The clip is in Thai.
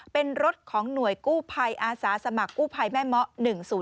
เป็นรถของหน่วยกู้ภัยอาสาสมัครกู้ภัยแม่เมาะ๑๐๔